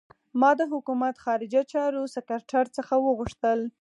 ما د حکومت خارجه چارو سکرټر څخه وغوښتل.